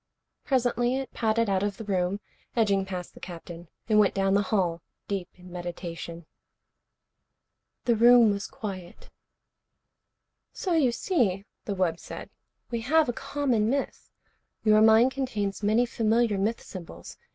Presently it padded out of the room, edging past the Captain. It went down the hall, deep in meditation. The room was quiet. "So you see," the wub said, "we have a common myth. Your mind contains many familiar myth symbols.